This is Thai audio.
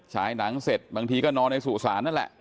ฉายหนังเสร็จบางทีก็นอนในสู่ศาลนั่นแหละ